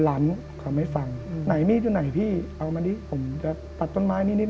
ให้ฟังไหนมีดอยู่ไหนพี่เอามาดิผมจะตัดต้นไม้นิดนิด